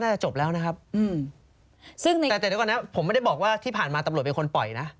จบแล้วนะครับอืมซึ่งในแต่แต่เดี๋ยวก่อนนะผมไม่ได้บอกว่าที่ผ่านมาตำรวจเป็นคนปล่อยนะ